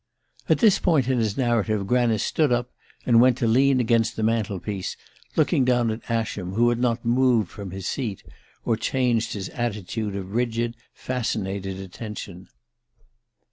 At this point in his narrative Granice stood up, and went to lean against the mantel piece, looking down at Ascham, who had not moved from his seat, or changed his attitude of rigid fascinated attention.